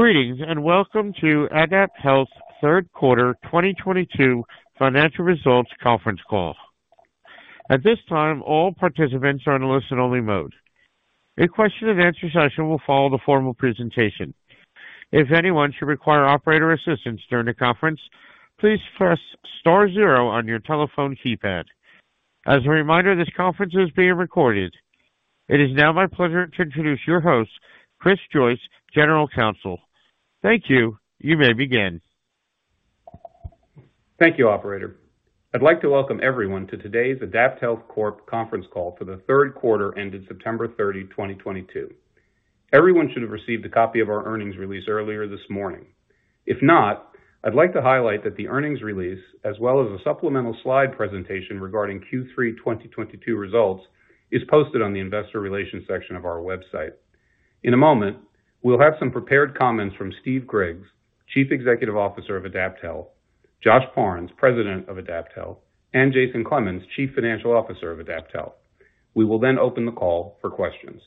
Greetings, and welcome to AdaptHealth's third quarter 2022 financial results conference call. At this time, all participants are in listen-only mode. A question and answer session will follow the formal presentation. If anyone should require operator assistance during the conference, please press star zero on your telephone keypad. As a reminder, this conference is being recorded. It is now my pleasure to introduce your host, Christopher Joyce, General Counsel. Thank you. You may begin. Thank you, operator. I'd like to welcome everyone to today's AdaptHealth Corp conference call for the third quarter ending September 30, 2022. Everyone should have received a copy of our earnings release earlier this morning. If not, I'd like to highlight that the earnings release, as well as a supplemental slide presentation regarding Q3 2022 results, is posted on the investor relations section of our website. In a moment, we'll have some prepared comments from Steve Griggs, Chief Executive Officer of AdaptHealth, Josh Parnes, President of AdaptHealth, and Jason Clemens, Chief Financial Officer of AdaptHealth. We will then open the call for questions.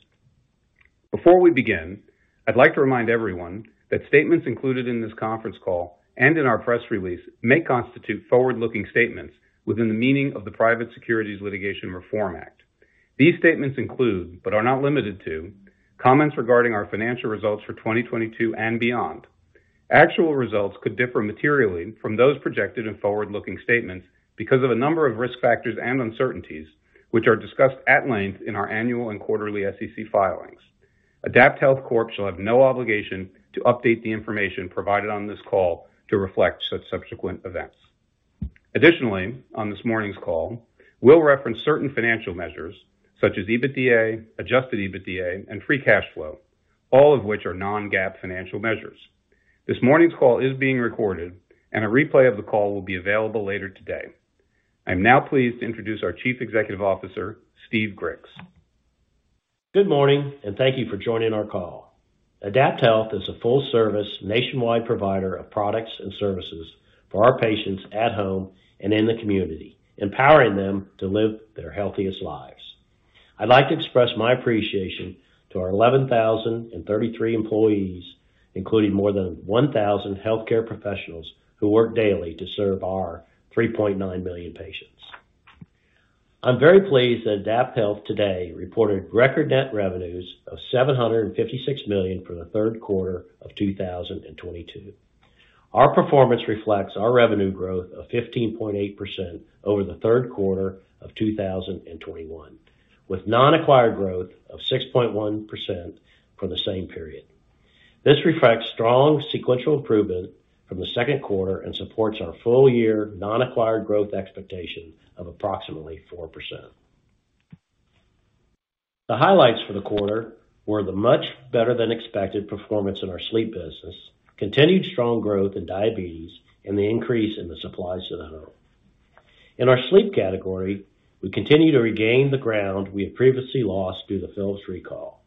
Before we begin, I'd like to remind everyone that statements included in this conference call and in our press release may constitute forward-looking statements within the meaning of the Private Securities Litigation Reform Act. These statements include, but are not limited to, comments regarding our financial results for 2022 and beyond. Actual results could differ materially from those projected in forward-looking statements because of a number of risk factors and uncertainties, which are discussed at length in our annual and quarterly SEC filings. AdaptHealth Corp shall have no obligation to update the information provided on this call to reflect such subsequent events. Additionally, on this morning's call, we'll reference certain financial measures such as EBITDA, adjusted EBITDA, and free cash flow, all of which are non-GAAP financial measures. This morning's call is being recorded, and a replay of the call will be available later today. I'm now pleased to introduce our Chief Executive Officer, Steve Griggs. Good morning. Thank you for joining our call. AdaptHealth is a full-service nationwide provider of products and services for our patients at home and in the community, empowering them to live their healthiest lives. I'd like to express my appreciation to our 11,033 employees, including more than 1,000 healthcare professionals, who work daily to serve our 3.9 million patients. I'm very pleased that AdaptHealth today reported record net revenues of $756 million for the third quarter of 2022. Our performance reflects our revenue growth of 15.8% over the third quarter of 2021, with non-acquired growth of 6.1% for the same period. This reflects strong sequential improvement from the second quarter and supports our full-year non-acquired growth expectation of approximately 4%. The highlights for the quarter were the much better than expected performance in our sleep business, continued strong growth in diabetes, and the increase in the supplies to the home. In our sleep category, we continue to regain the ground we had previously lost due to the Philips recall.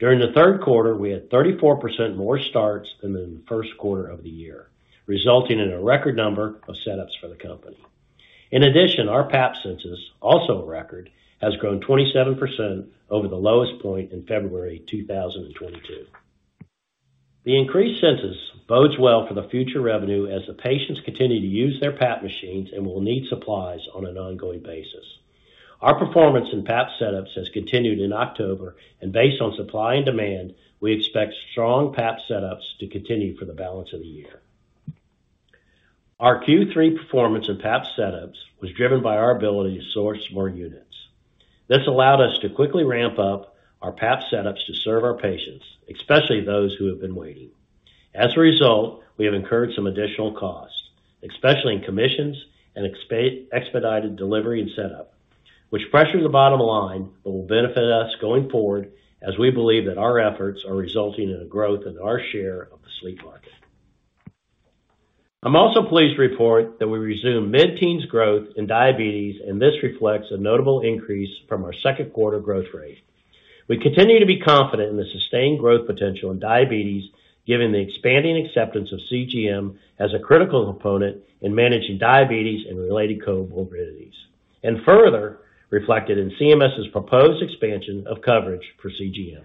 During the third quarter, we had 34% more starts than in the first quarter of the year, resulting in a record number of setups for the company. In addition, our PAP census, also a record, has grown 27% over the lowest point in February 2022. The increased census bodes well for the future revenue as the patients continue to use their PAP machines and will need supplies on an ongoing basis. Our performance in PAP setups has continued in October, and based on supply and demand, we expect strong PAP setups to continue for the balance of the year. Our Q3 performance of PAP setups was driven by our ability to source more units. This allowed us to quickly ramp up our PAP setups to serve our patients, especially those who have been waiting. As a result, we have incurred some additional costs, especially in commissions and expedited delivery and setup, which pressure the bottom line, but will benefit us going forward as we believe that our efforts are resulting in a growth in our share of the sleep market. I'm also pleased to report that we resumed mid-teens growth in diabetes. This reflects a notable increase from our second quarter growth rate. We continue to be confident in the sustained growth potential in diabetes, given the expanding acceptance of CGM as a critical component in managing diabetes and related comorbidities, further reflected in CMS's proposed expansion of coverage for CGM.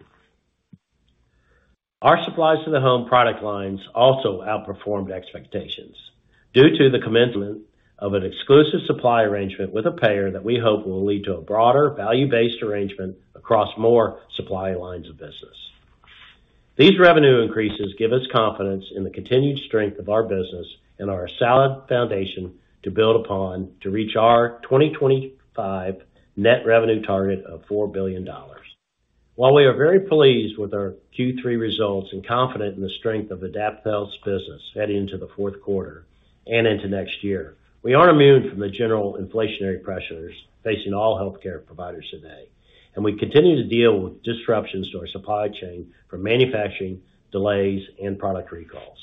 Our supplies to the home product lines also outperformed expectations due to the commencement of an exclusive supply arrangement with a payer that we hope will lead to a broader value-based arrangement across more supply lines of business. These revenue increases give us confidence in the continued strength of our business and are a solid foundation to build upon to reach our 2025 net revenue target of $4 billion. While we are very pleased with our Q3 results and confident in the strength of AdaptHealth's business heading into the fourth quarter and into next year, we aren't immune from the general inflationary pressures facing all healthcare providers today. We continue to deal with disruptions to our supply chain from manufacturing delays and product recalls.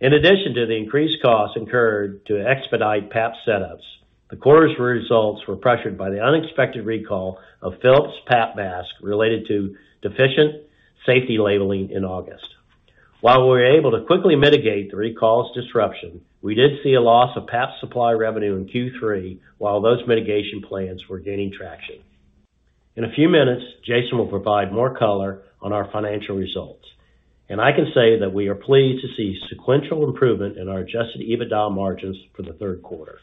In addition to the increased costs incurred to expedite PAP setups, the quarter's results were pressured by the unexpected recall of Philips PAP masks related to deficient safety labeling in August. While we were able to quickly mitigate the recall's disruption, we did see a loss of PAP supply revenue in Q3 while those mitigation plans were gaining traction. In a few minutes, Jason will provide more color on our financial results. I can say that we are pleased to see sequential improvement in our adjusted EBITDA margins for the third quarter.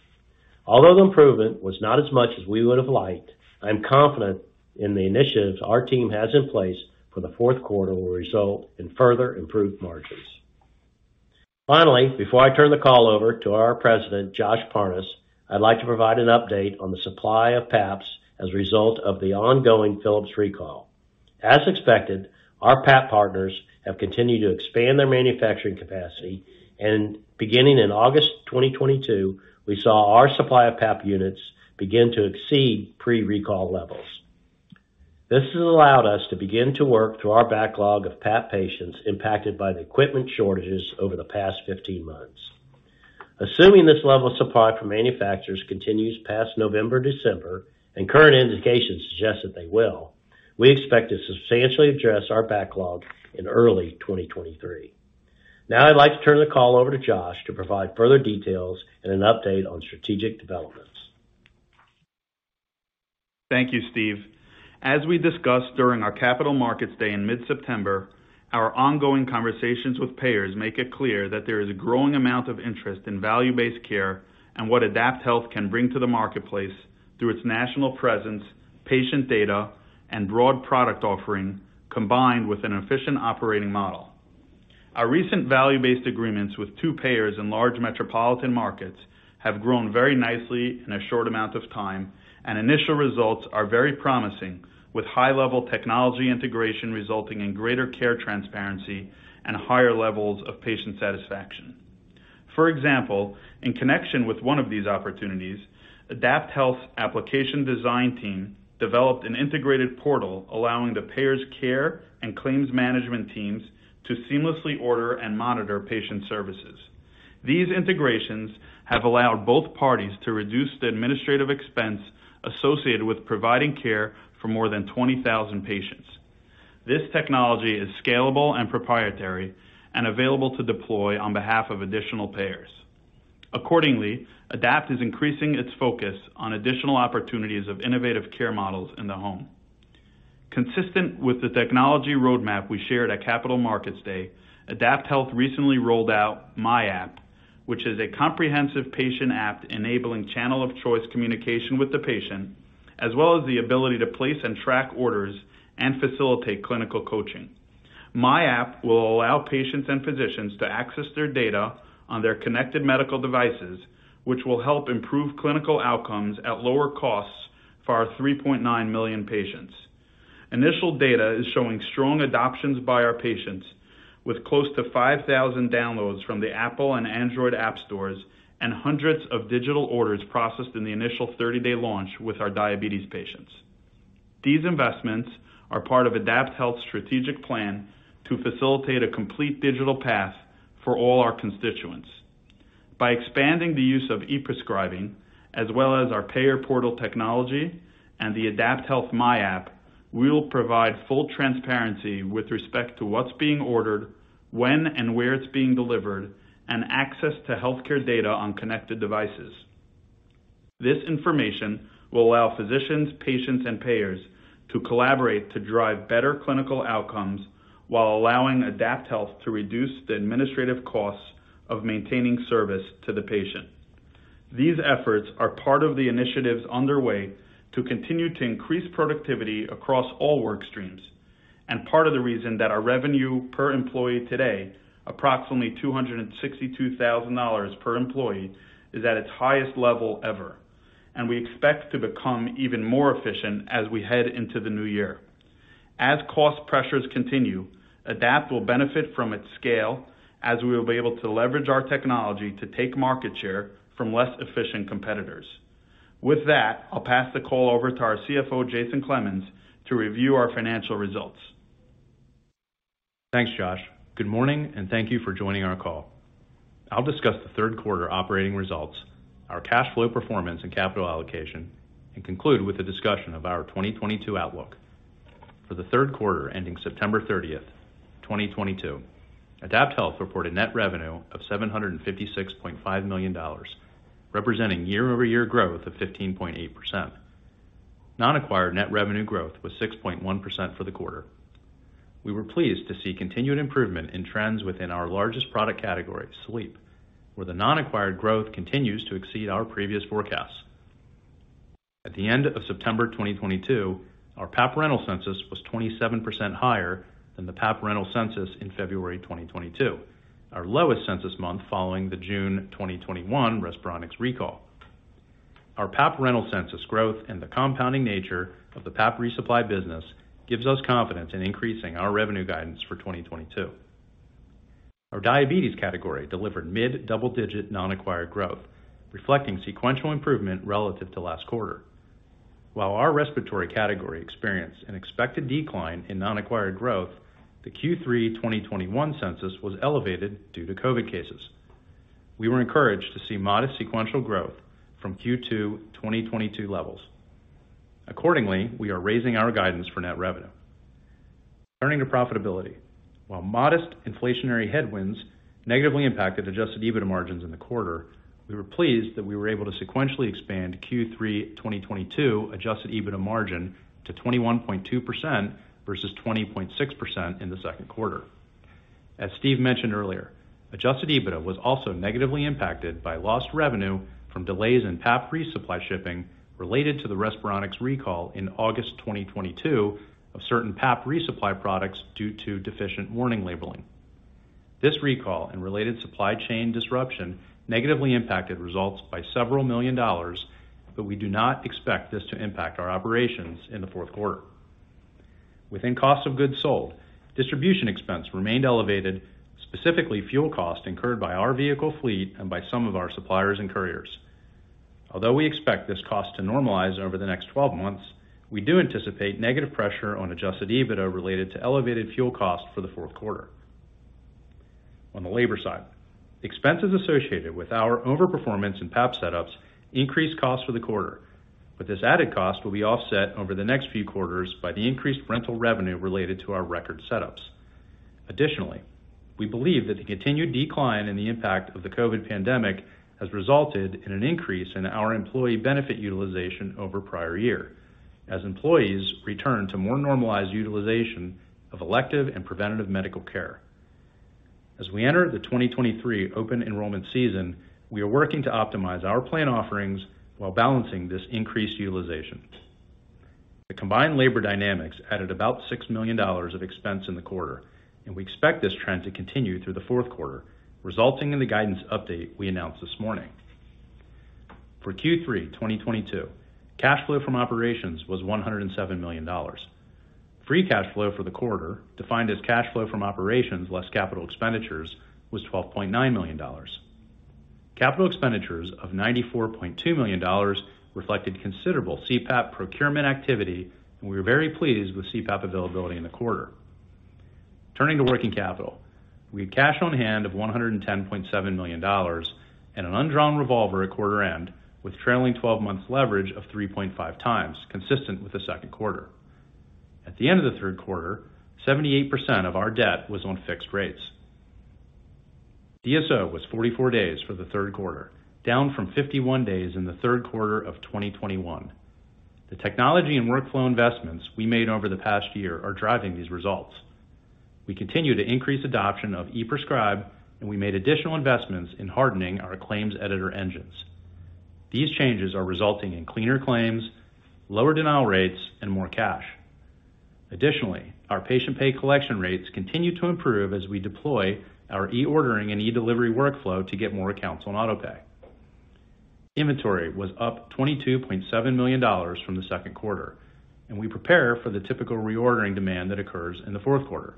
Although the improvement was not as much as we would've liked, I'm confident in the initiatives our team has in place for the fourth quarter will result in further improved margins. Finally, before I turn the call over to our President, Josh Parnes, I'd like to provide an update on the supply of PAPs as a result of the ongoing Philips recall. As expected, our PAP partners have continued to expand their manufacturing capacity, and beginning in August 2022, we saw our supply of PAP units begin to exceed pre-recall levels. This has allowed us to begin to work through our backlog of PAP patients impacted by the equipment shortages over the past 15 months. Assuming this level of supply from manufacturers continues past November, December, and current indications suggest that they will, we expect to substantially address our backlog in early 2023. I'd like to turn the call over to Josh to provide further details and an update on strategic developments. Thank you, Steve. As we discussed during our Capital Markets Day in mid-September, our ongoing conversations with payers make it clear that there is a growing amount of interest in value-based care and what AdaptHealth can bring to the marketplace through its national presence, patient data, and broad product offering, combined with an efficient operating model. Our recent value-based agreements with two payers in large metropolitan markets have grown very nicely in a short amount of time, and initial results are very promising, with high-level technology integration resulting in greater care transparency and higher levels of patient satisfaction. For example, in connection with one of these opportunities, AdaptHealth's application design team developed an integrated portal allowing the payer's care and claims management teams to seamlessly order and monitor patient services. These integrations have allowed both parties to reduce the administrative expense associated with providing care for more than 20,000 patients. This technology is scalable and proprietary and available to deploy on behalf of additional payers. Accordingly, Adapt is increasing its focus on additional opportunities of innovative care models in the home. Consistent with the technology roadmap we shared at Capital Markets Day, AdaptHealth recently rolled out myAPP, which is a comprehensive patient app enabling channel of choice communication with the patient, as well as the ability to place and track orders and facilitate clinical coaching. myAPP will allow patients and physicians to access their data on their connected medical devices, which will help improve clinical outcomes at lower costs for our 3.9 million patients. Initial data is showing strong adoptions by our patients, with close to 5,000 downloads from the Apple and Android app stores and hundreds of digital orders processed in the initial 30-day launch with our diabetes patients. These investments are part of AdaptHealth's strategic plan to facilitate a complete digital path for all our constituents. By expanding the use of e-prescribing, as well as our payer portal technology and the AdaptHealth myAPP, we will provide full transparency with respect to what's being ordered, when and where it's being delivered, and access to healthcare data on connected devices. This information will allow physicians, patients, and payers to collaborate to drive better clinical outcomes while allowing AdaptHealth to reduce the administrative costs of maintaining service to the patient. These efforts are part of the initiatives underway to continue to increase productivity across all work streams and part of the reason that our revenue per employee today, approximately $262,000 per employee, is at its highest level ever, and we expect to become even more efficient as we head into the new year. As cost pressures continue, Adapt will benefit from its scale as we will be able to leverage our technology to take market share from less efficient competitors. With that, I'll pass the call over to our CFO, Jason Clemens, to review our financial results. Thanks, Josh. Good morning, thank you for joining our call. I'll discuss the third quarter operating results, our cash flow performance, and capital allocation, and conclude with a discussion of our 2022 outlook. For the third quarter ending September 30th, 2022, AdaptHealth reported net revenue of $756.5 million, representing year-over-year growth of 15.8%. Non-acquired net revenue growth was 6.1% for the quarter. We were pleased to see continued improvement in trends within our largest product category, sleep, where the non-acquired growth continues to exceed our previous forecasts. At the end of September 2022, our PAP rental census was 27% higher than the PAP rental census in February 2022, our lowest census month following the June 2021 Respironics recall. Our PAP rental census growth and the compounding nature of the PAP resupply business gives us confidence in increasing our revenue guidance for 2022. Our diabetes category delivered mid-double-digit non-acquired growth, reflecting sequential improvement relative to last quarter. While our respiratory category experienced an expected decline in non-acquired growth, the Q3 2021 census was elevated due to COVID cases. We were encouraged to see modest sequential growth from Q2 2022 levels. Accordingly, we are raising our guidance for net revenue Turning to profitability. While modest inflationary headwinds negatively impacted adjusted EBITDA margins in the quarter, we were pleased that we were able to sequentially expand Q3 2022 adjusted EBITDA margin to 21.2% versus 20.6% in the second quarter. As Steve mentioned earlier, adjusted EBITDA was also negatively impacted by lost revenue from delays in PAP resupply shipping related to the Respironics recall in August 2022 of certain PAP resupply products due to deficient warning labeling. This recall and related supply chain disruption negatively impacted results by several million dollars, but we do not expect this to impact our operations in the fourth quarter. Within cost of goods sold, distribution expense remained elevated, specifically fuel cost incurred by our vehicle fleet and by some of our suppliers and couriers. Although we expect this cost to normalize over the next 12 months, we do anticipate negative pressure on adjusted EBITDA related to elevated fuel costs for the fourth quarter. On the labor side, expenses associated with our over-performance in PAP setups increased costs for the quarter, but this added cost will be offset over the next few quarters by the increased rental revenue related to our record setups. Additionally, we believe that the continued decline in the impact of the COVID pandemic has resulted in an increase in our employee benefit utilization over prior year, as employees return to more normalized utilization of elective and preventative medical care. As we enter the 2023 open enrollment season, we are working to optimize our plan offerings while balancing this increased utilization. The combined labor dynamics added about $6 million of expense in the quarter. We expect this trend to continue through the fourth quarter, resulting in the guidance update we announced this morning. For Q3 2022, cash flow from operations was $107 million. Free cash flow for the quarter, defined as cash flow from operations less capital expenditures, was $12.9 million. Capital expenditures of $94.2 million reflected considerable CPAP procurement activity, and we are very pleased with CPAP availability in the quarter. Turning to working capital. We had cash on hand of $110.7 million and an undrawn revolver at quarter end, with trailing 12 months leverage of 3.5 times, consistent with the second quarter. At the end of the third quarter, 78% of our debt was on fixed rates. DSO was 44 days for the third quarter, down from 51 days in the third quarter of 2021. The technology and workflow investments we made over the past year are driving these results. We continue to increase adoption of ePrescribe, and we made additional investments in hardening our claims editor engines. These changes are resulting in cleaner claims, lower denial rates, and more cash. Additionally, our patient pay collection rates continue to improve as we deploy our e-ordering and e-delivery workflow to get more accounts on auto pay. Inventory was up $22.7 million from the second quarter. We prepare for the typical reordering demand that occurs in the fourth quarter.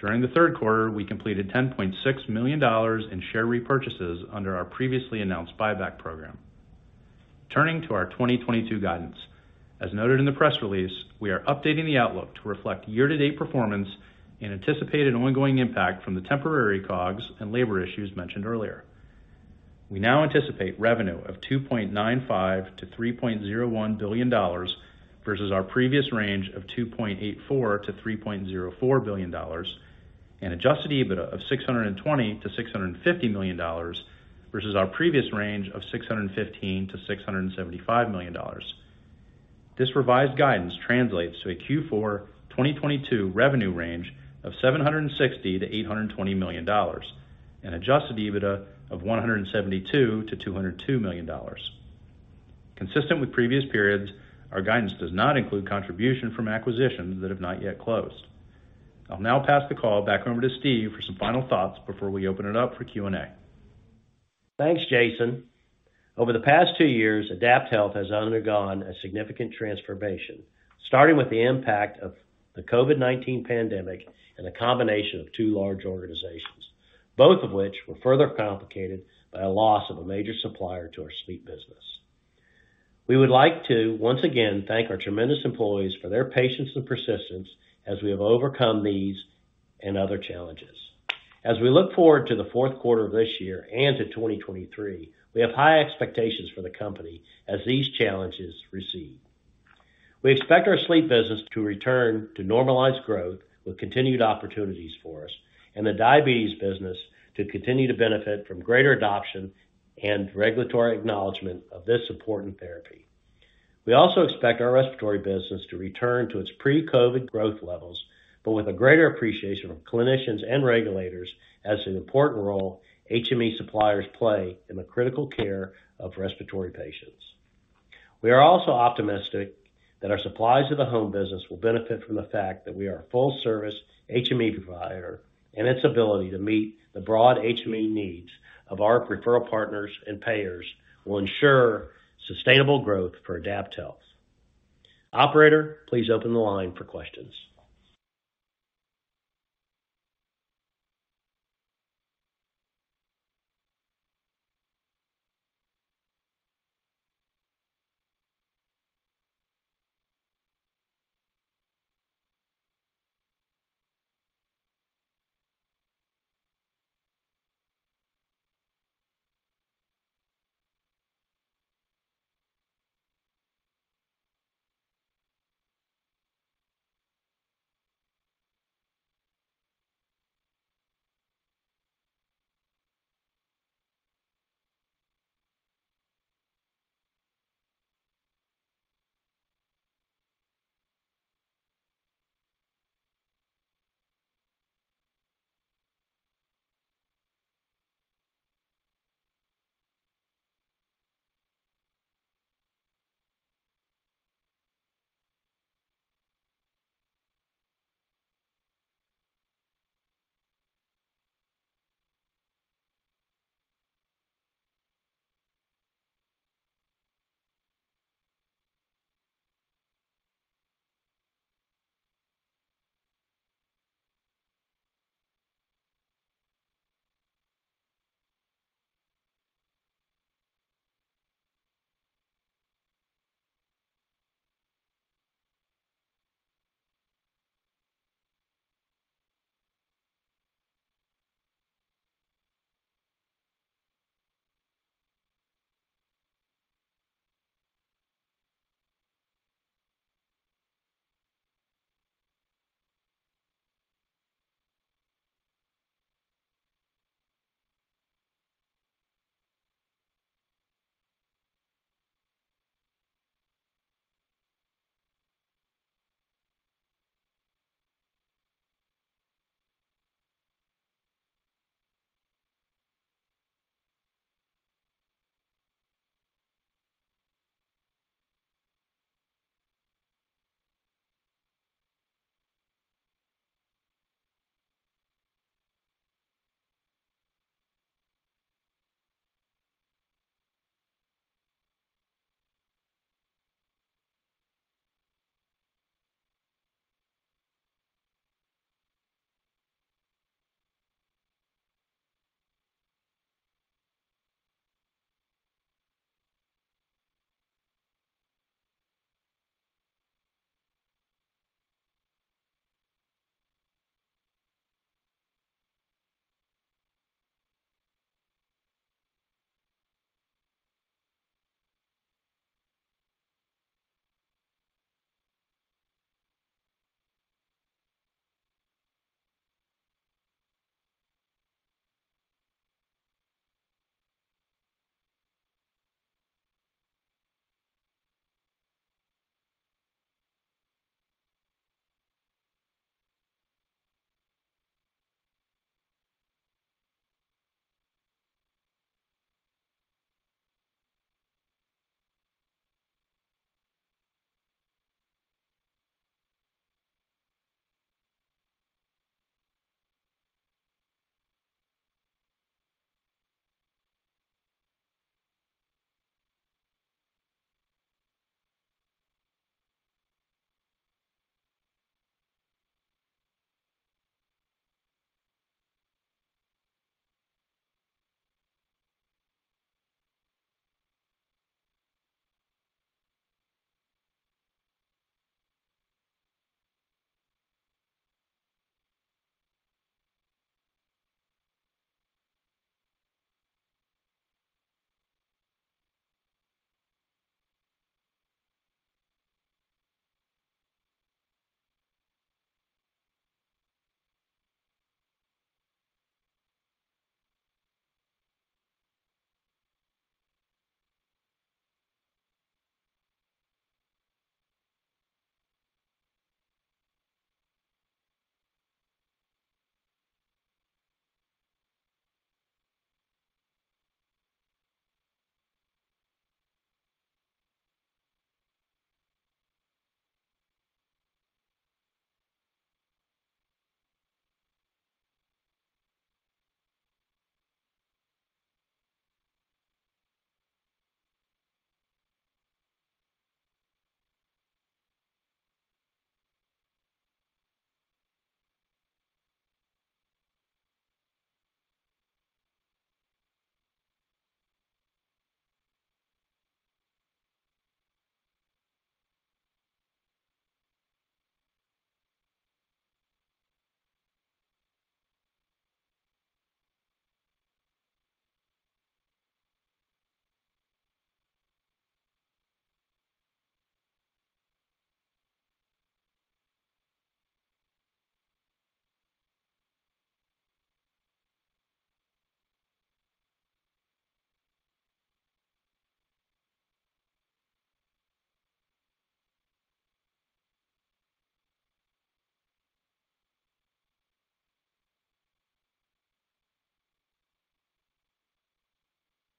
During the third quarter, we completed $10.6 million in share repurchases under our previously announced buyback program. Turning to our 2022 guidance. As noted in the press release, we are updating the outlook to reflect year-to-date performance and anticipated ongoing impact from the temporary COGS and labor issues mentioned earlier. We now anticipate revenue of $2.95 billion-$3.01 billion, versus our previous range of $2.84 billion-$3.04 billion, and adjusted EBITDA of $620 million-$650 million, versus our previous range of $615 million-$675 million. This revised guidance translates to a Q4 2022 revenue range of $760 million-$820 million and adjusted EBITDA of $172 million-$202 million. Consistent with previous periods, our guidance does not include contribution from acquisitions that have not yet closed. I'll now pass the call back over to Steve for some final thoughts before we open it up for Q&A. Thanks, Jason. Over the past two years, AdaptHealth has undergone a significant transformation, starting with the impact of the COVID-19 pandemic and the combination of two large organizations, both of which were further complicated by a loss of a major supplier to our sleep business. We would like to once again thank our tremendous employees for their patience and persistence as we have overcome these and other challenges. As we look forward to the fourth quarter of this year and to 2023, we have high expectations for the company as these challenges recede. We expect our sleep business to return to normalized growth with continued opportunities for us, and the diabetes business to continue to benefit from greater adoption and regulatory acknowledgment of this important therapy. We also expect our respiratory business to return to its pre-COVID growth levels, but with a greater appreciation from clinicians and regulators as to the important role HME suppliers play in the critical care of respiratory patients. We are also optimistic that our supplies to the home business will benefit from the fact that we are a full-service HME provider, and its ability to meet the broad HME needs of our referral partners and payers will ensure sustainable growth for AdaptHealth. Operator, please open the line for questions.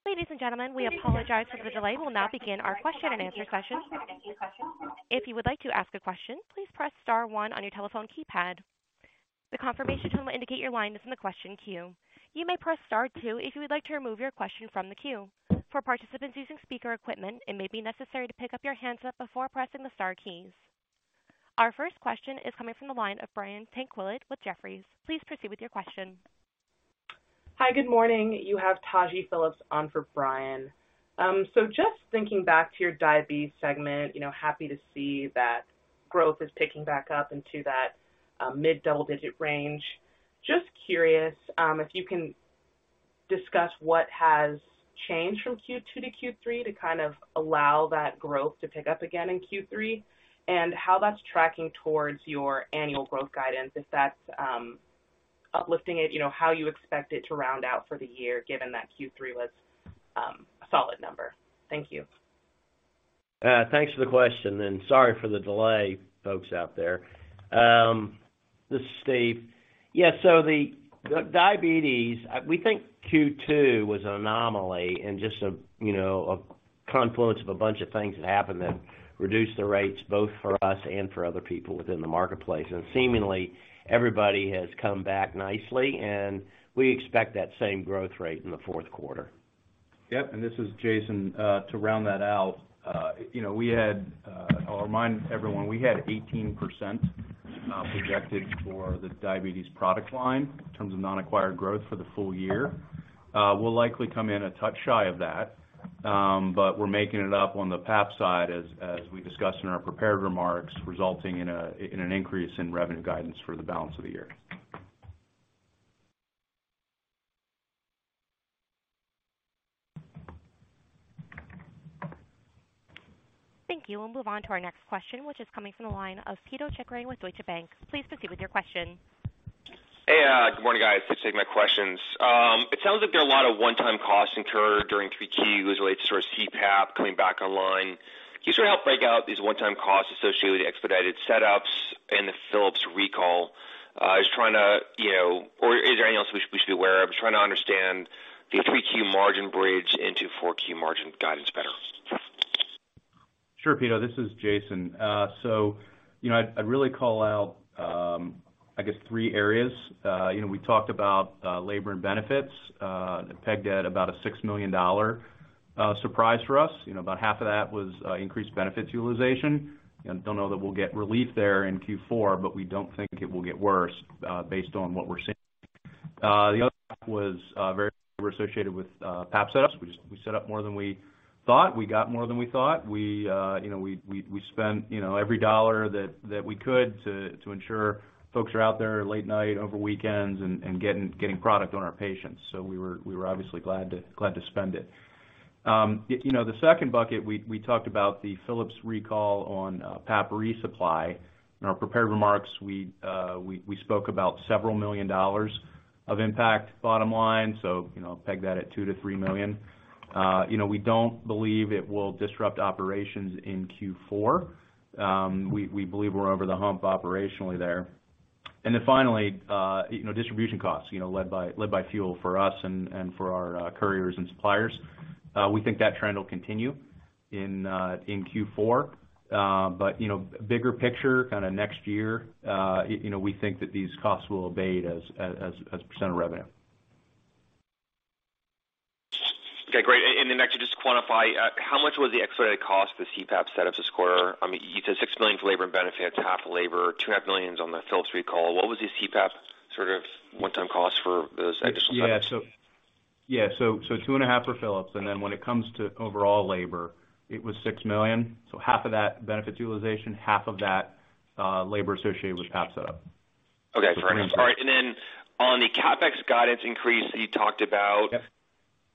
Ladies and gentlemen, we apologize for the delay. We'll now begin our question and answer session. If you would like to ask a question, please press star one on your telephone keypad. The confirmation tone will indicate your line is in the question queue. You may press star two if you would like to remove your question from the queue. For participants using speaker equipment, it may be necessary to pick up your handset before pressing the star keys. Our first question is coming from the line of Brian Tanquilut with Jefferies. Please proceed with your question. Hi, good morning. You have Taji Phillips on for Brian. Just thinking back to your diabetes segment, happy to see that growth is picking back up into that mid double-digit range. Just curious, if you can Could you discuss what has changed from Q2 to Q3 to kind of allow that growth to pick up again in Q3, how that's tracking towards your annual growth guidance, if that's uplifting it, how you expect it to round out for the year, given that Q3 was a solid number. Thank you. Thanks for the question, and sorry for the delay, folks out there. This is Stephen. Yeah. The diabetes, we think Q2 was an anomaly and just a confluence of a bunch of things that happened that reduced the rates both for us and for other people within the marketplace. Seemingly, everybody has come back nicely, and we expect that same growth rate in the fourth quarter. Yep. This is Jason. To round that out, I'll remind everyone, we had 18% projected for the diabetes product line in terms of non-acquired growth for the full year. We'll likely come in a touch shy of that. We're making it up on the PAP side, as we discussed in our prepared remarks, resulting in an increase in revenue guidance for the balance of the year. Thank you. We'll move on to our next question, which is coming from the line of Pito Chickering with Deutsche Bank. Please proceed with your question. Good morning, guys. Thanks for taking my questions. It sounds like there are a lot of one-time costs incurred during 3Q, it was related to CPAP coming back online. Can you sort of help break out these one-time costs associated with expedited setups and the Philips recall? Is there anything else we should be aware of? I'm just trying to understand the 3Q margin bridge into 4Q margin guidance better. Sure, Pito. This is Jason. I'd really call out, I guess, three areas. We talked about labor and benefits, pegged at about a $6 million surprise for us. About half of that was increased benefits utilization. Don't know that we'll get relief there in Q4, but we don't think it will get worse based on what we're seeing. The other half was very associated with PAP setups. We set up more than we thought. We got more than we thought. We spent every dollar that we could to ensure folks are out there late night, over weekends, and getting product on our patients. We were obviously glad to spend it. The second bucket, we talked about the Philips recall on PAP resupply. In our prepared remarks, we spoke about several million dollars of impact bottom line. Peg that at $2 million-$3 million. We don't believe it will disrupt operations in Q4. We believe we're over the hump operationally there. Finally, distribution costs, led by fuel for us and for our couriers and suppliers. We think that trend will continue in Q4. Bigger picture, kind of next year, we think that these costs will abate as a percent of revenue. Okay, great. Next, to just quantify, how much was the expedited cost of the CPAP setups this quarter? You said $6 million for labor and benefits, half labor, $2.5 million on the Philips recall. What was the CPAP one-time cost for those additional setups? Yeah. $2.5 for Philips, when it comes to overall labor, it was $6 million. Half of that benefit utilization, half of that labor associated with PAP setup. Okay. Fair enough. All right. On the CapEx guidance increase that you talked about-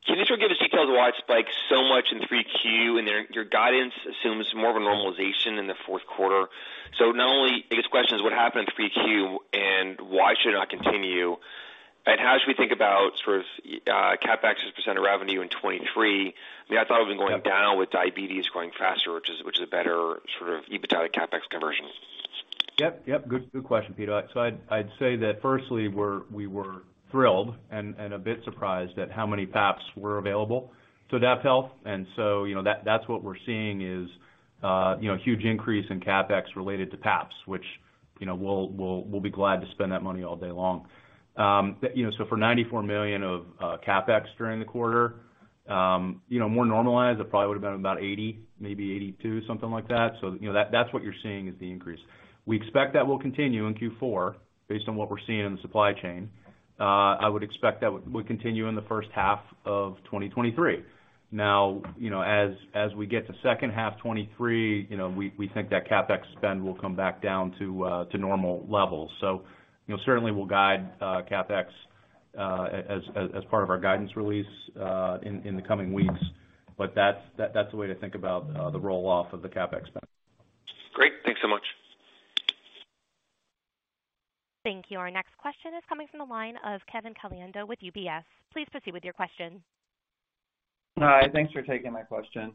Yep Can you just give us details of why it spiked so much in 3Q, then your guidance assumes more of a normalization in the fourth quarter. Not only I guess the question is what happened in 3Q and why should it not continue? How should we think about sort of CapEx as a percent of revenue in 2023? I thought it was going down with diabetes growing faster, which is a better sort of EBITDA CapEx conversion. Yep. Good question, Tito. I'd say that firstly, we were thrilled and a bit surprised at how many PAPs were available to AdaptHealth, that's what we're seeing is a huge increase in CapEx related to PAPs, which, we'll be glad to spend that money all day long. For $94 million of CapEx during the quarter, more normalized, it probably would've been about $80 million, maybe $82 million, something like that. That's what you're seeing is the increase. We expect that will continue in Q4 based on what we're seeing in the supply chain. I would expect that would continue in the first half of 2023. Now, as we get to second half 2023, we think that CapEx spend will come back down to normal levels. Certainly, we'll guide CapEx as part of our guidance release in the coming weeks, but that's the way to think about the roll-off of the CapEx spend. Great. Thanks so much. Thank you. Our next question is coming from the line of Kevin Caliendo with UBS. Please proceed with your question. Hi. Thanks for taking my question.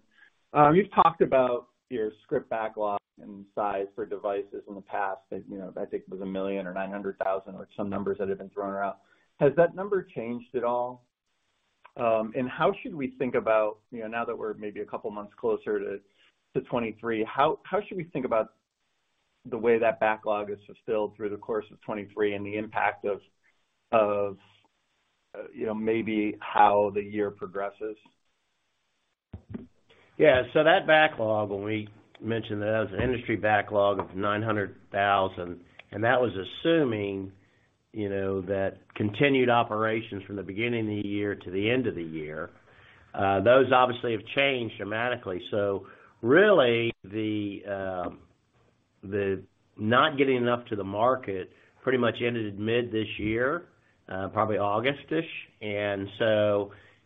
You've talked about your script backlog and size for devices in the past. I think it was 1 million or 900,000, or some numbers that have been thrown around. Has that number changed at all? How should we think about, now that we're maybe a couple of months closer to 2023, how should we think about the way that backlog is fulfilled through the course of 2023 and the impact of maybe how the year progresses? Yeah. That backlog, when we mentioned that as an industry backlog of 900,000, and that was assuming that continued operations from the beginning of the year to the end of the year. Those obviously have changed dramatically. Really, the not getting enough to the market pretty much ended mid this year, probably August-ish.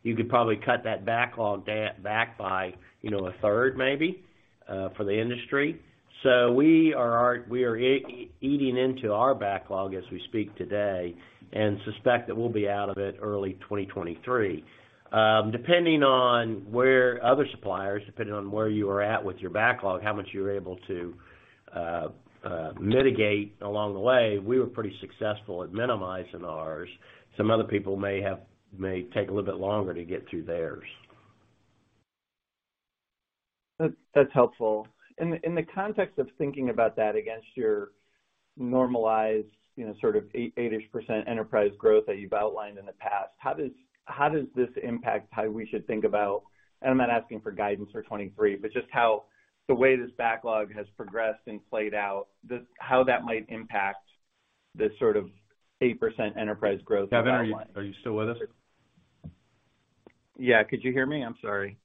You could probably cut that backlog back by a third maybe, for the industry. We are eating into our backlog as we speak today and suspect that we'll be out of it early 2023. Depending on where other suppliers, depending on where you are at with your backlog, how much you were able to mitigate along the way, we were pretty successful at minimizing ours. Some other people may take a little bit longer to get through theirs. That's helpful. In the context of thinking about that against your normalized, sort of 8ish% enterprise growth that you've outlined in the past, how does this impact how we should think about, and I'm not asking for guidance for 2023, but just how the way this backlog has progressed and played out, how that might impact this sort of 8% enterprise growth you've outlined? Kevin, are you still with us? Yeah. Could you hear me? I'm sorry.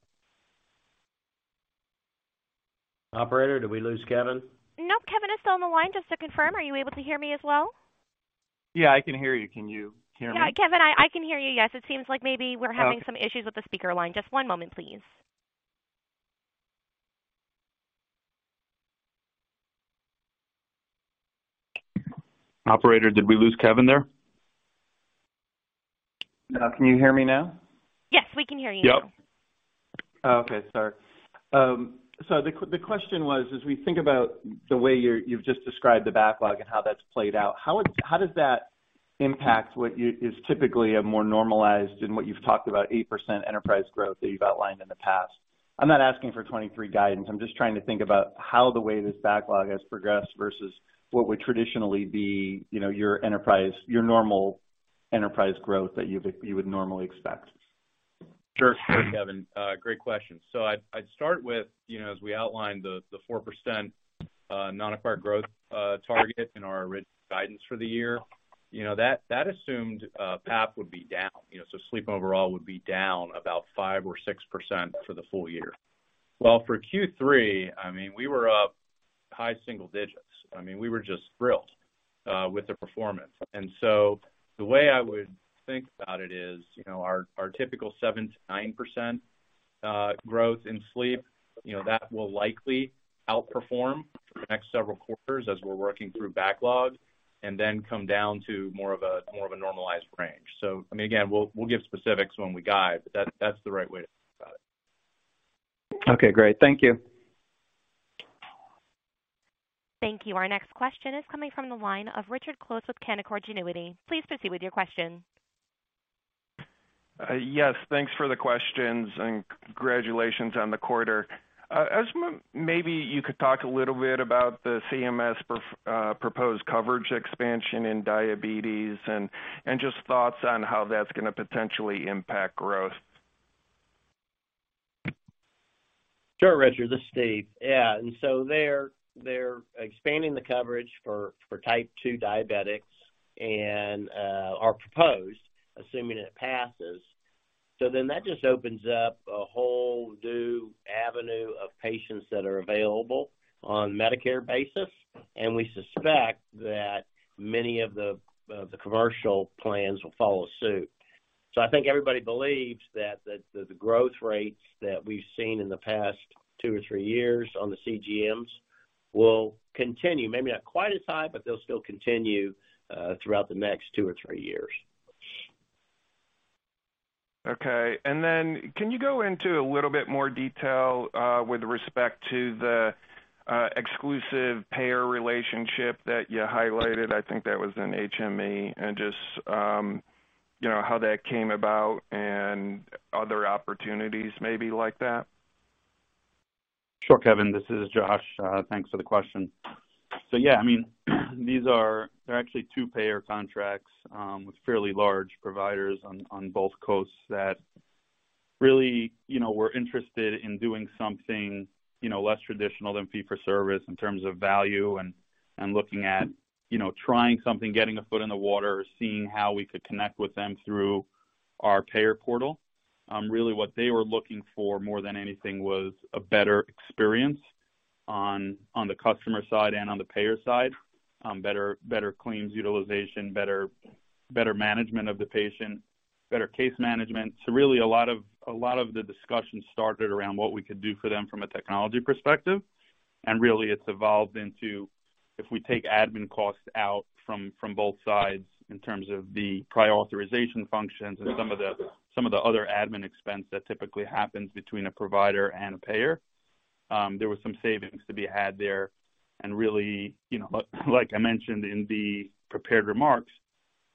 Operator, did we lose Kevin? Nope, Kevin is still on the line. Just to confirm, are you able to hear me as well? Yeah, I can hear you. Can you hear me? Yeah, Kevin, I can hear you. Yes, it seems like maybe we're having some issues with the speaker line. Just one moment, please. Operator, did we lose Kevin there? Now, can you hear me now? Yes, we can hear you now. Yep. Oh, okay. Sorry. The question was, as we think about the way you've just described the backlog and how that's played out, how does that impact what is typically a more normalized and what you've talked about 8% enterprise growth that you've outlined in the past? I'm not asking for 2023 guidance. I'm just trying to think about how the way this backlog has progressed versus what would traditionally be your normal enterprise growth that you would normally expect. Sure, Kevin. Great question. I'd start with, as we outlined the 4% non-acquired growth target in our original guidance for the year. That assumed PAP would be down, sleep overall would be down about 5% or 6% for the full year. Well, for Q3, we were up high single digits. We were just thrilled with the performance. The way I would think about it is, our typical 7% to 9% growth in sleep, that will likely outperform for the next several quarters as we're working through backlog and then come down to more of a normalized range. Again, we'll give specifics when we guide, but that's the right way to think about it. Okay, great. Thank you. Thank you. Our next question is coming from the line of Richard Close with Canaccord Genuity. Please proceed with your question. Yes, thanks for the questions and congratulations on the quarter. Maybe you could talk a little bit about the CMS proposed coverage expansion in diabetes and just thoughts on how that's going to potentially impact growth. Sure, Richard, this is Steve. Yeah. They're expanding the coverage for Type 2 diabetics and are proposed, assuming it passes. That just opens up a whole new avenue of patients that are available on Medicare basis, and we suspect that many of the commercial plans will follow suit. I think everybody believes that the growth rates that we've seen in the past two or three years on the CGMs will continue. Maybe not quite as high, but they'll still continue throughout the next two or three years. Okay. Can you go into a little bit more detail with respect to the exclusive payer relationship that you highlighted, I think that was in HME, and just how that came about and other opportunities maybe like that? Sure, Kevin, this is Josh. Thanks for the question. Yeah, there are actually two payer contracts with fairly large providers on both coasts that really were interested in doing something less traditional than fee for service in terms of value and looking at trying something, getting a foot in the water, seeing how we could connect with them through our payer portal. Really what they were looking for more than anything was a better experience on the customer side and on the payer side. Better claims utilization, better management of the patient, better case management. Really a lot of the discussion started around what we could do for them from a technology perspective, and really it's evolved into, if we take admin costs out from both sides in terms of the prior authorization functions and some of the other admin expense that typically happens between a provider and a payer, there was some savings to be had there. Really, like I mentioned in the prepared remarks,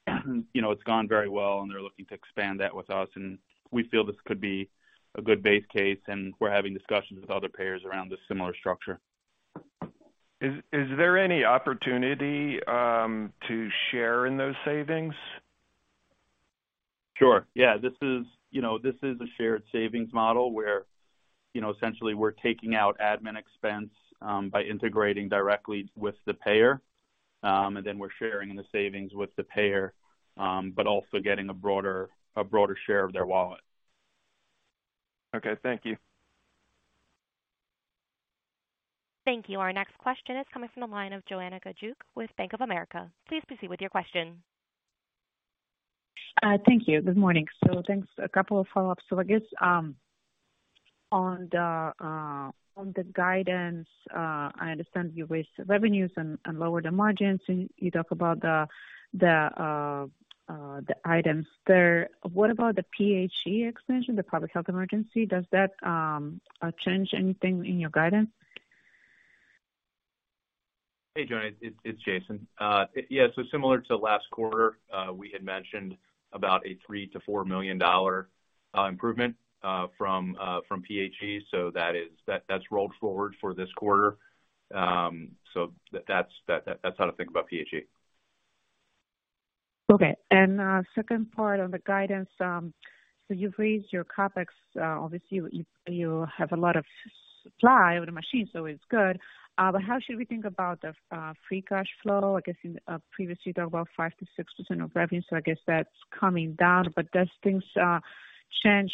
it's gone very well, and they're looking to expand that with us, and we feel this could be a good base case, and we're having discussions with other payers around this similar structure. Is there any opportunity to share in those savings? Sure, yeah. This is a shared savings model where essentially we're taking out admin expense by integrating directly with the payer. Then we're sharing the savings with the payer, also getting a broader share of their wallet. Okay, thank you. Thank you. Our next question is coming from the line of Joanna Gajuk with Bank of America. Please proceed with your question. Thank you. Good morning. Thanks. A couple of follow-ups. I guess, on the guidance, I understand you raised the revenues and lowered the margins. You talk about the items there. What about the PHE extension, the public health emergency? Does that change anything in your guidance? Hey, Joanna, it's Jason. Similar to last quarter, we had mentioned about a $3 million-$4 million improvement from PHE. That's rolled forward for this quarter. That's how to think about PHE. Okay. Second part on the guidance. You've raised your CapEx. Obviously, you have a lot of supply with the machines, so it's good. How should we think about the free cash flow? I guess, previously you talked about 5%-6% of revenue, so I guess that's coming down. Does things change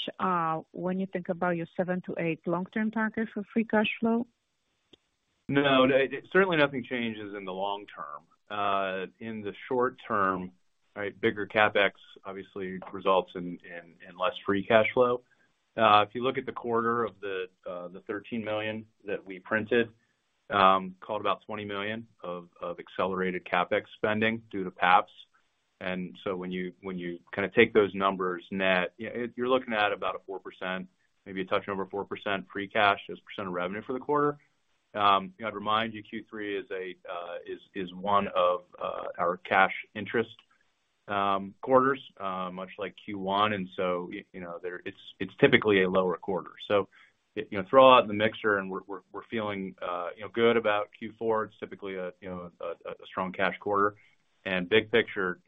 when you think about your 7-8 long-term target for free cash flow? No. Certainly nothing changes in the long term. In the short term, bigger CapEx obviously results in less free cash flow. If you look at the quarter of the $13 million that we printed, call it about $20 million of accelerated CapEx spending due to PAPs. When you kind of take those numbers net, you're looking at about a 4%, maybe a touch over 4% free cash as percent of revenue for the quarter. I'd remind you Q3 is one of our cash interest quarters, much like Q1. It's typically a lower quarter. Throw it all out in the mixer and we're feeling good about Q4. It's typically a strong cash quarter and big picture,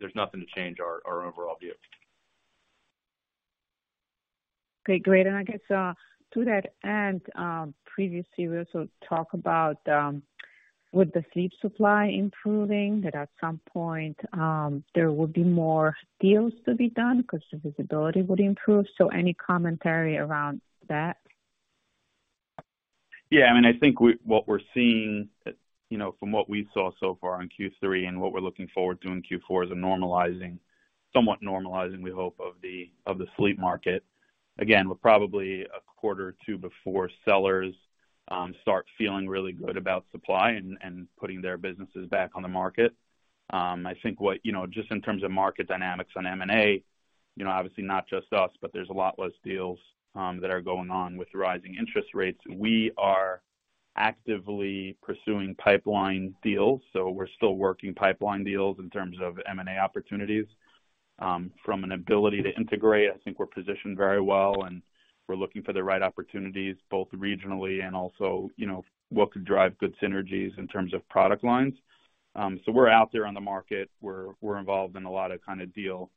there's nothing to change our overall view. Okay, great. I guess to that end, previously, we also talk about, with the sleep supply improving, that at some point, there will be more deals to be done because the visibility would improve. Any commentary around that? I think what we're seeing from what we saw so far in Q3 and what we're looking forward to in Q4 is a normalizing, somewhat normalizing, we hope, of the sleep market. Again, we're probably a quarter or two before sellers start feeling really good about supply and putting their businesses back on the market. I think just in terms of market dynamics on M&A, obviously not just us, but there's a lot less deals that are going on with rising interest rates. We are actively pursuing pipeline deals, we're still working pipeline deals in terms of M&A opportunities. From an ability to integrate, I think we're positioned very well, and we're looking for the right opportunities both regionally and also what could drive good synergies in terms of product lines. We're out there on the market. We're involved in a lot of kind of deal,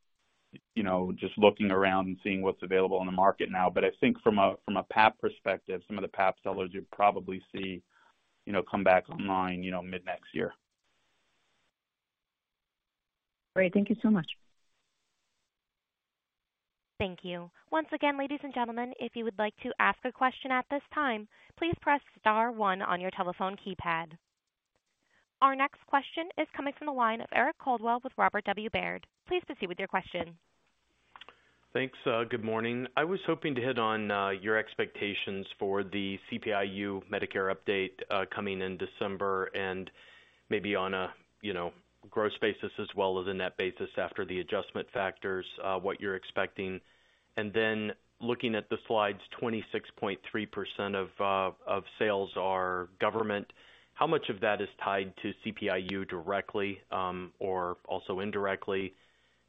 just looking around and seeing what's available on the market now. I think from a PAP perspective, some of the PAP sellers you'll probably see come back online mid next year. Great. Thank you so much. Thank you. Once again, ladies and gentlemen, if you would like to ask a question at this time, please press star one on your telephone keypad. Our next question is coming from the line of Eric Coldwell with Robert W. Baird. Please proceed with your question. Thanks. Good morning. I was hoping to hit on your expectations for the CPI-U Medicare update coming in December and maybe on a gross basis as well as a net basis after the adjustment factors, what you're expecting. Looking at the slides, 26.3% of sales are government. How much of that is tied to CPI-U directly or also indirectly,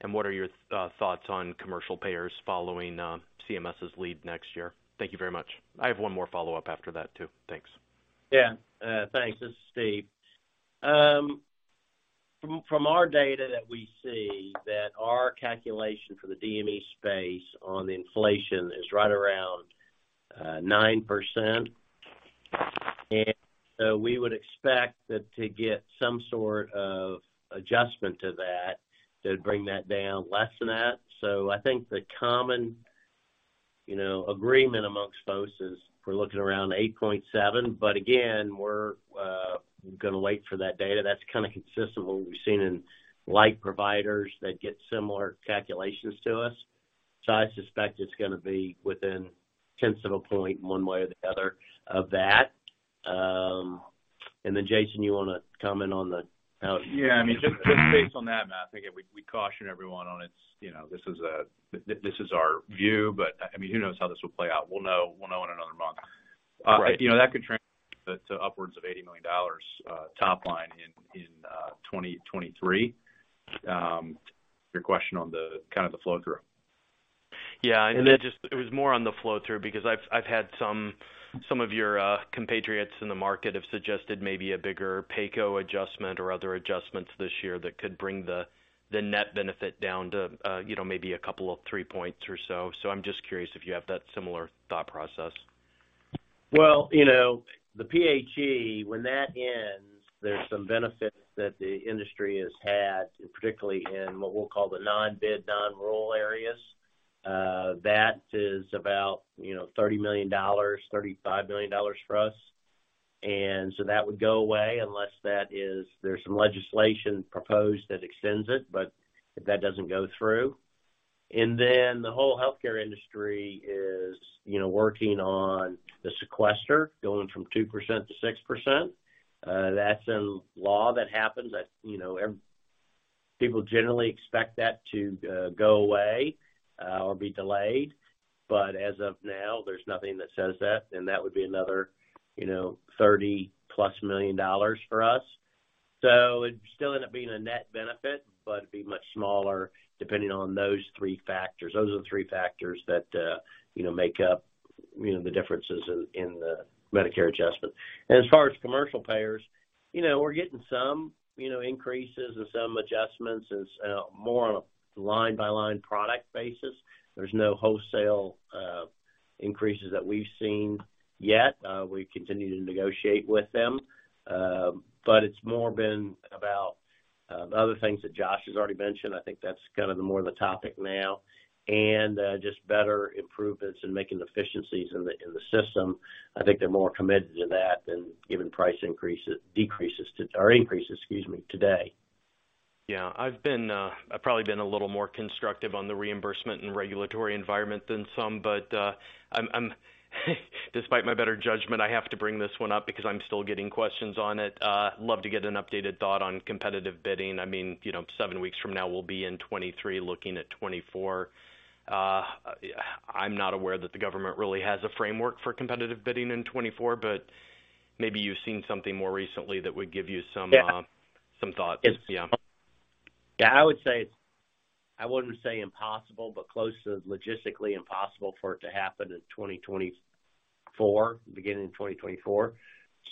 and what are your thoughts on commercial payers following CMS's lead next year? Thank you very much. I have one more follow-up after that, too. Thanks. Yeah. Thanks. This is Steve. From our data that we see that our calculation for the DME space on inflation is right around 9%. We would expect that to get some sort of adjustment to that would bring that down less than that. I think the common agreement amongst folks is we're looking around 8.7. Again, we're going to wait for that data. That's kind of consistent with what we've seen in like providers that get similar calculations to us. I suspect it's going to be within tenths of a point one way or the other of that. Jason, you want to comment on the out- Yeah, I mean, just based on that, I think we caution everyone on this is our view, but I mean, who knows how this will play out? We'll know in another month. Right. That could translate to upwards of $80 million top line in 2023. Your question on the kind of the flow-through. It was more on the flow-through because I've had some of your compatriots in the market have suggested maybe a bigger PAGO adjustment or other adjustments this year that could bring the net benefit down to maybe a couple of three points or so. I'm just curious if you have that similar thought process. Well, the PHE, when that ends, there's some benefits that the industry has had, particularly in what we'll call the non-bid, non-rural areas. That is about $30 million, $35 million for us. That would go away unless there's some legislation proposed that extends it, but if that doesn't go through. The whole healthcare industry is working on the sequester, going from 2% to 6%. That's a law that happens that people generally expect that to go away or be delayed. As of now, there's nothing that says that, and that would be another 30-plus million dollars for us. It'd still end up being a net benefit, but it'd be much smaller depending on those three factors. Those are the three factors that make up the differences in the Medicare adjustment. As far as commercial payers, we're getting some increases and some adjustments, it's more on a line-by-line product basis. There's no wholesale increases that we've seen yet. We continue to negotiate with them. It's more been about the other things that Josh has already mentioned. I think that's kind of more the topic now, and just better improvements in making efficiencies in the system. I think they're more committed to that than giving price increases today. I've probably been a little more constructive on the reimbursement and regulatory environment than some, despite my better judgment, I have to bring this one up because I'm still getting questions on it. Love to get an updated thought on competitive bidding. seven weeks from now, we'll be in 2023, looking at 2024. I'm not aware that the government really has a framework for competitive bidding in 2024, maybe you've seen something more recently that would give you some thoughts. I wouldn't say impossible, but close to logistically impossible for it to happen in 2024, beginning in 2024.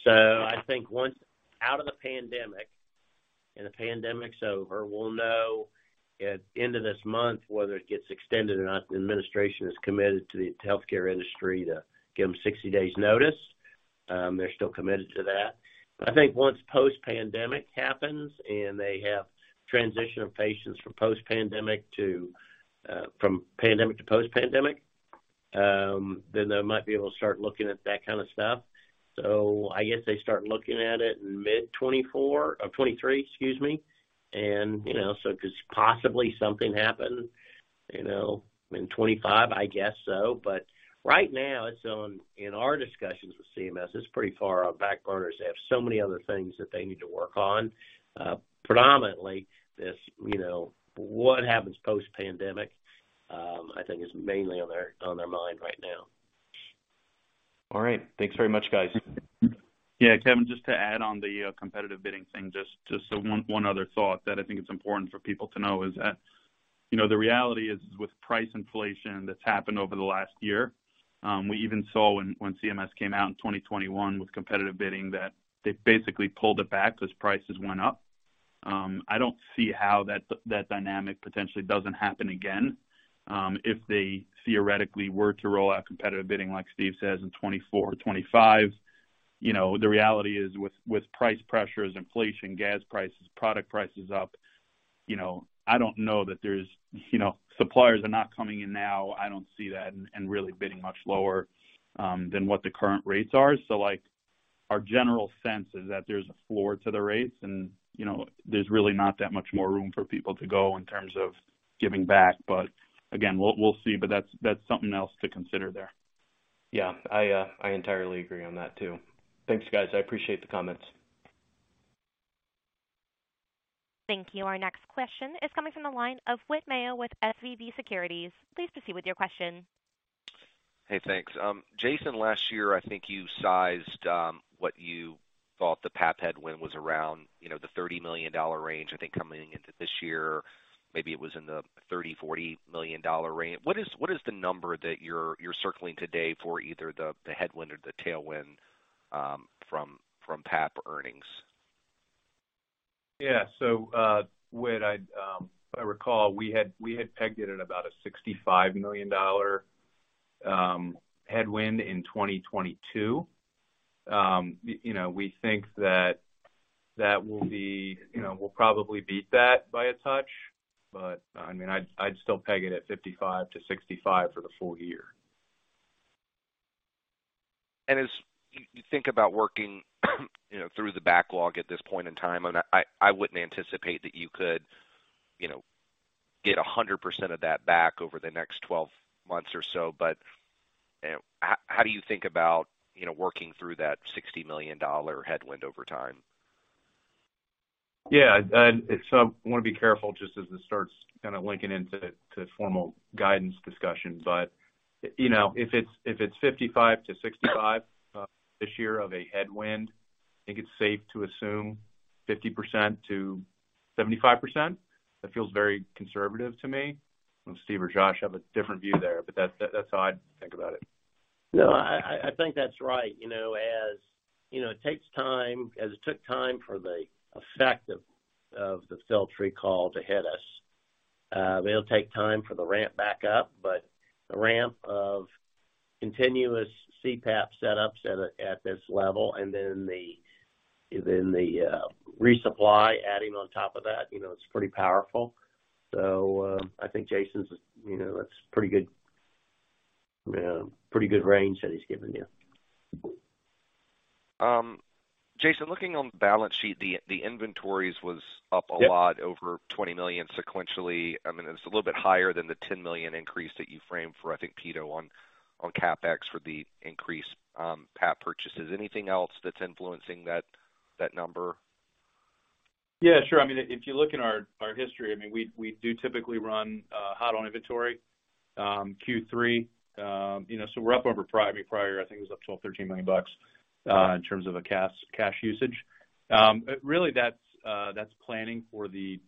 I think once out of the pandemic, and the pandemic's over, we'll know at end of this month whether it gets extended or not. The administration is committed to the healthcare industry to give them 60 days notice. They're still committed to that. I think once post-pandemic happens, and they have transition of patients from pandemic to post-pandemic, then they might be able to start looking at that kind of stuff. I guess they start looking at it in mid 2024, or 2023, excuse me. Could possibly something happen in 2025? I guess so. Right now, in our discussions with CMS, it's pretty far on back burners. They have so many other things that they need to work on. Predominantly this, what happens post-pandemic, I think is mainly on their mind right now. All right. Thanks very much, guys. Yeah, Kevin, just to add on the competitive bidding thing, just one other thought that I think it's important for people to know is that, the reality is with price inflation that's happened over the last year, we even saw when CMS came out in 2021 with competitive bidding, that they basically pulled it back as prices went up. I don't see how that dynamic potentially doesn't happen again. If they theoretically were to roll out competitive bidding, like Steve says, in 2024 or 2025, the reality is with price pressures, inflation, gas prices, product prices up, suppliers are not coming in now. I don't see that, and really bidding much lower, than what the current rates are. Our general sense is that there's a floor to the rates and there's really not that much more room for people to go in terms of giving back. Again, we'll see. That's something else to consider there. Yeah. I entirely agree on that, too. Thanks, guys. I appreciate the comments. Thank you. Our next question is coming from the line of Whit Mayo with SVB Securities. Please proceed with your question. Hey, thanks. Jason, last year, I think you sized what you thought the PAP headwind was around the $30 million range, I think coming into this year, maybe it was in the $30 million-$40 million range. What is the number that you're circling today for either the headwind or the tailwind, from PAP earnings? Yeah. Whit, I recall we had pegged it at about a $65 million headwind in 2022. We think that we'll probably beat that by a touch, but I'd still peg it at $55 million-$65 million for the full year. As you think about working through the backlog at this point in time, I wouldn't anticipate that you could get 100% of that back over the next 12 months or so, but how do you think about working through that $60 million headwind over time? Yeah. I want to be careful just as this starts kind of linking into formal guidance discussion. If it's $55 million-$65 million this year of a headwind, I think it's safe to assume 50%-75%. That feels very conservative to me. Steve or Josh have a different view there, but that's how I'd think about it. No, I think that's right. It takes time, as it took time for the effect of the Philips recall to hit us. It'll take time for the ramp back up, but the ramp of continuous CPAP setups at this level, and then the resupply adding on top of that, it's pretty powerful. I think Jason, that's a pretty good range that he's given you. Jason, looking on the balance sheet, the inventories was up. Yep A lot, over $20 million sequentially. It's a little bit higher than the $10 million increase that you framed for, I think, Tito, on CapEx for the increased PAP purchases. Anything else that's influencing that number? Yeah, sure. If you look in our history, we do typically run hot on inventory, Q3. We're up over probably prior, I think it was up $12 million, $13 million in terms of a cash usage. Really that's planning for the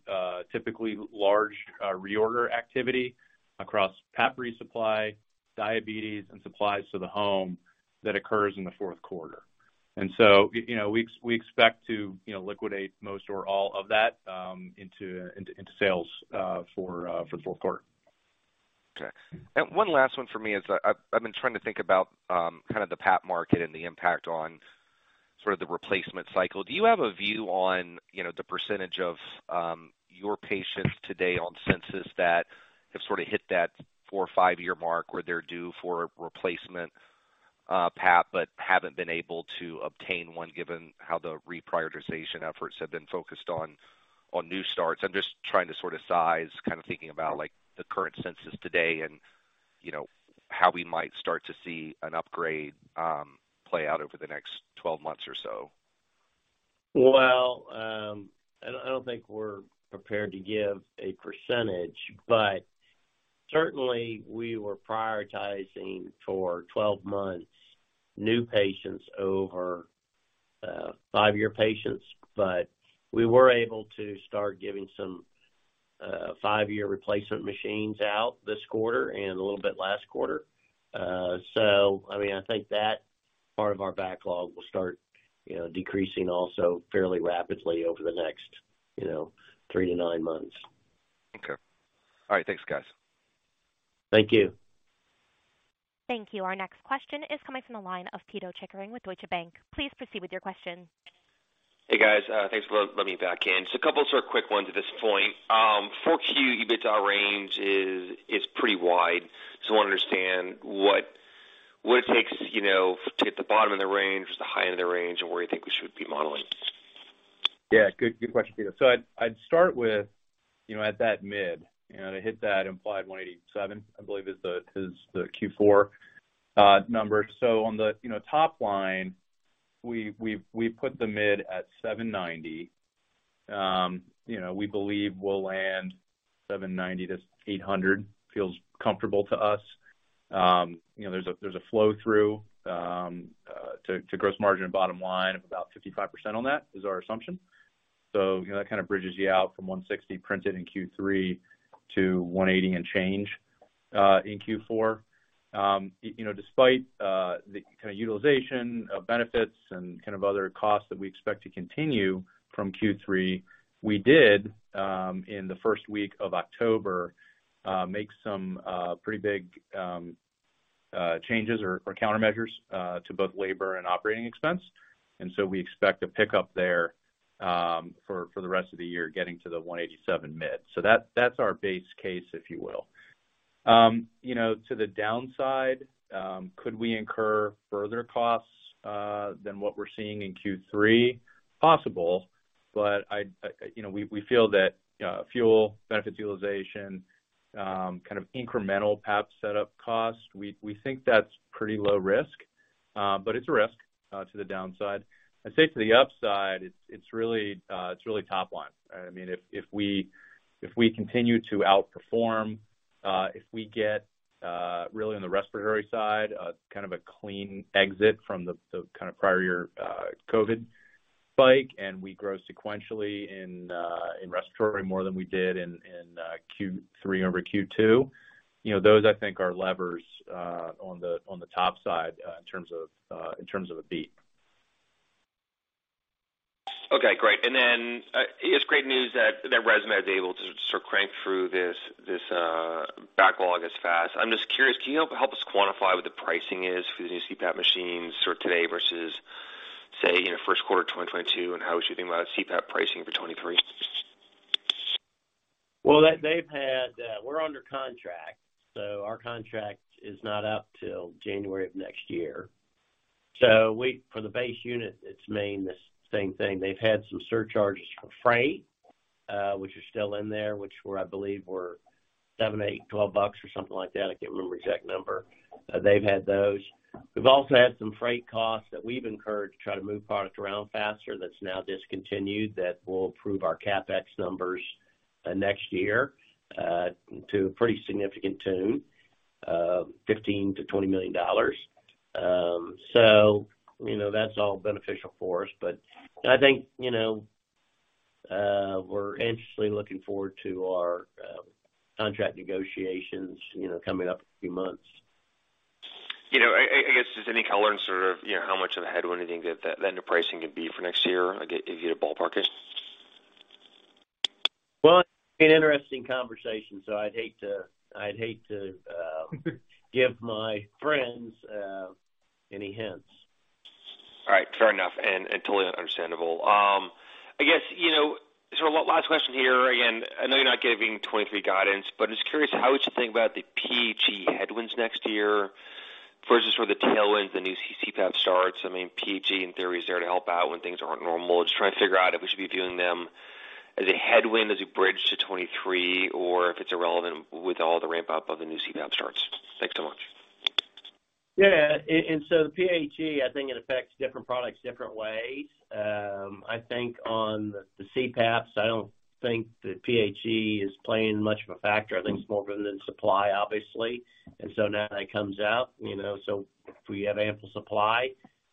typically large reorder activity across PAP resupply, diabetes, and supplies to the home that occurs in the fourth quarter. We expect to liquidate most or all of that into sales for the fourth quarter. Okay. One last one from me is, I've been trying to think about the PAP market and the impact on the replacement cycle. Do you have a view on the percentage of your patients today on census that have hit that four or five-year mark where they're due for a replacement PAP, but haven't been able to obtain one given how the reprioritization efforts have been focused on new starts? I'm just trying to size, thinking about the current census today, and how we might start to see an upgrade play out over the next 12 months or so. Certainly we were prioritizing for 12 months, new patients over five-year patients. We were able to start giving some five-year replacement machines out this quarter and a little bit last quarter. I think that part of our backlog will start decreasing also fairly rapidly over the next three to nine months. Okay. All right, thanks guys. Thank you. Thank you. Our next question is coming from the line of Pito Chickering with Deutsche Bank. Please proceed with your question. Hey, guys. Thanks for letting me back in. A couple sort of quick ones at this point. For Q, EBITDA range is pretty wide, so I want to understand what it takes to hit the bottom of the range versus the high end of the range, and where you think we should be modeling? Yeah. Good question, Tito. I'd start with, at that mid, to hit that implied $187, I believe is the Q4 number. On the top line, we put the mid at $790. We believe we'll land $790-$800, feels comfortable to us. There's a flow-through to gross margin and bottom line of about 55% on that, is our assumption. That kind of bridges you out from $160 printed in Q3 to $180 and change, in Q4. Despite the kind of utilization of benefits and kind of other costs that we expect to continue from Q3, we did, in the first week of October, make some pretty big changes or countermeasures, to both labor and operating expense. We expect a pickup there for the rest of the year, getting to the $187 mid. That's our base case, if you will. To the downside, could we incur further costs than what we're seeing in Q3? Possible. We feel that fuel, benefit utilization, kind of incremental PAP setup costs, we think that's pretty low risk. It's a risk to the downside. I'd say to the upside, it's really top line. If we continue to outperform, if we get, really on the respiratory side, kind of a clean exit from the kind of prior year COVID spike, and we grow sequentially in respiratory more than we did in Q3 over Q2, those I think are levers on the top side in terms of a beat. Okay, great. It's great news that ResMed is able to sort of crank through this backlog as fast. I'm just curious, can you help us quantify what the pricing is for the new CPAP machines sort of today versus, say, first quarter 2022, and how we should think about CPAP pricing for 2023? We're under contract, our contract is not up till January of next year. For the base unit, it's remained the same thing. They've had some surcharges for freight, which are still in there, which I believe were seven, eight, $12 or something like that. I can't remember the exact number. They've had those. We've also had some freight costs that we've incurred to try to move product around faster that's now discontinued, that will improve our CapEx numbers next year, to a pretty significant tune, $15 million-$20 million. That's all beneficial for us. I think We're anxiously looking forward to our contract negotiations coming up in a few months. I guess, just any color on sort of, how much of a headwind do you think that vendor pricing could be for next year? If you had to ballpark it. It'll be an interesting conversation, I'd hate to give my friends any hints. All right. Fair enough, totally understandable. I guess, last question here, again, I know you're not giving 2023 guidance, just curious, how would you think about the PHE headwinds next year versus where the tailwinds, the new CPAP starts? PHE in theory is there to help out when things aren't normal. Just trying to figure out if we should be viewing them as a headwind, as a bridge to 2023, or if it's irrelevant with all the ramp-up of the new CPAP starts. Thanks so much. The PHE, I think it affects different products different ways. I think on the CPAPs, I don't think that PHE is playing much of a factor. I think it's more driven than supply, obviously. Now that comes out, so if we have ample supply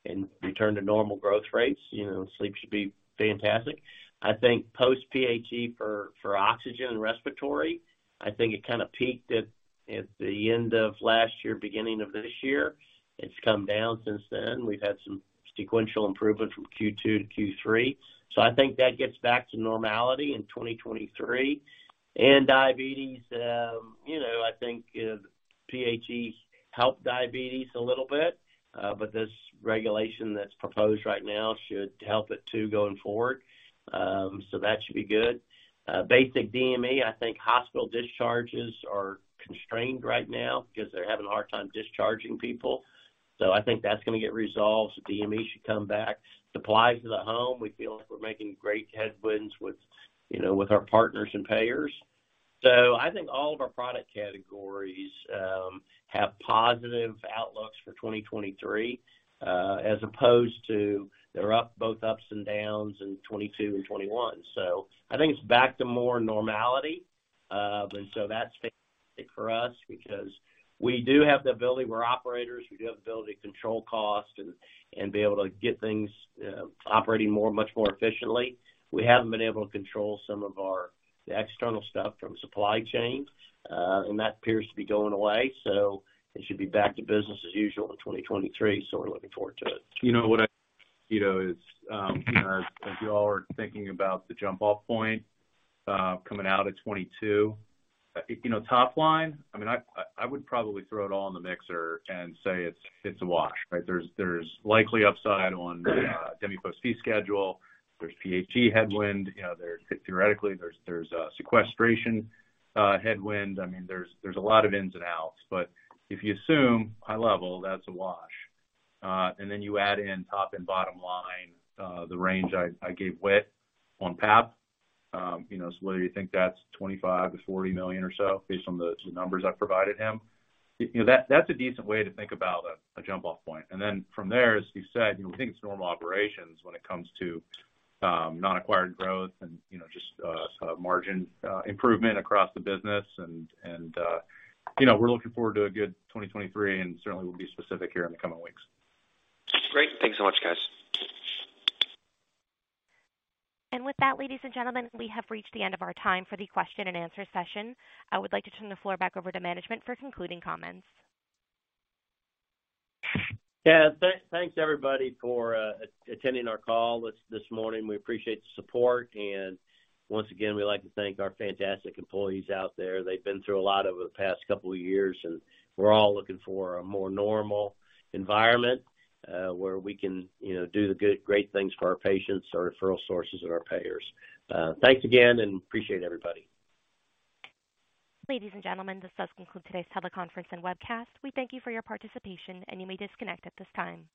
and return to normal growth rates, sleep should be fantastic. I think post-PHE for oxygen and respiratory, I think it kind of peaked at the end of last year, beginning of this year. It's come down since then. We've had some sequential improvement from Q2 to Q3. So I think that gets back to normality in 2023. Diabetes, I think PHE helped diabetes a little bit. But this regulation that's proposed right now should help it too, going forward. So that should be good. Basic DME, I think hospital discharges are constrained right now because they're having a hard time discharging people. So I think that's going to get resolved, so DME should come back. Supplies to the home, we feel like we're making great headwinds with our partners and payers. So I think all of our product categories have positive outlooks for 2023, as opposed to, they're both ups and downs in 2022 and 2021. So I think it's back to more normality. That's fantastic for us because we do have the ability, we're operators, we do have the ability to control cost and be able to get things operating much more efficiently. We haven't been able to control some of our external stuff from supply chain. That appears to be going away, so it should be back to business as usual in 2023. So we're looking forward to it. As you all are thinking about the jump-off point coming out of 2022, top line, I would probably throw it all in the mixer and say it's a wash, right? There's likely upside on the DMEPOS fee schedule. There's PHE headwind. Theoretically, there's a sequestration headwind. There's a lot of ins and outs, but if you assume high level, that's a wash. Then you add in top and bottom line, the range I gave Whit on PAP. So whether you think that's $25 million-$40 million or so based on the numbers I've provided him, that's a decent way to think about a jump-off point. From there, as you said, we think it's normal operations when it comes to non-acquired growth and just sort of margin improvement across the business and we're looking forward to a good 2023, and certainly we'll be specific here in the coming weeks. Great. Thanks so much, guys. With that, ladies and gentlemen, we have reached the end of our time for the question and answer session. I would like to turn the floor back over to management for concluding comments. Thanks, everybody, for attending our call this morning. We appreciate the support, and once again, we'd like to thank our fantastic employees out there. They've been through a lot over the past couple of years, and we're all looking for a more normal environment where we can do great things for our patients, our referral sources, and our payers. Thanks again, and appreciate everybody. Ladies and gentlemen, this does conclude today's teleconference and webcast. We thank you for your participation, and you may disconnect at this time.